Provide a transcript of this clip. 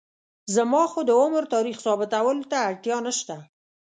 زما خو د عمر تاریخ ثابتولو ته اړتیا نشته.